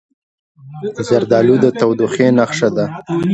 زردالو د تودوخې نښه ده.